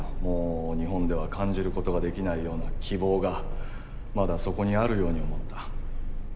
もう日本では感じることができないような希望がまだそこにあるように思った。